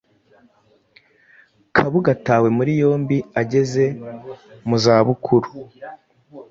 Kabuga atawe muri yombi ageze mu zabukuru